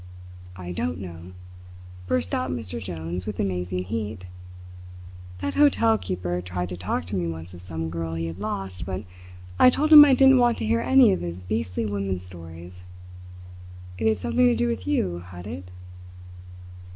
"I don't know!" burst out Mr. Jones with amazing heat. "That hotel keeper tried to talk to me once of some girl he had lost, but I told him I didn't want to hear any of his beastly women stories. It had something to do with you, had it?"